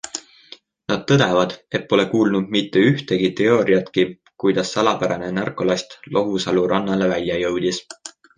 Nad tõdevad, et pole kuulnud mitte ühtegi teooriatki, kuidas salapärane narkolast Lohusalu rannale välja jõudis.